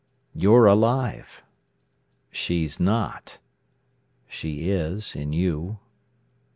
"You're alive." "She's not." "She is—in you."